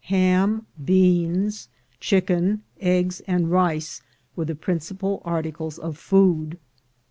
Ham, beans, chicken, eggs, and rice, were the principal articles of food.